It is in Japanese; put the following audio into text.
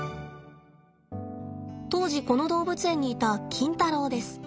当時この動物園にいたキンタロウです。